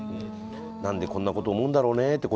なんで、こんなことを思うんだろうねって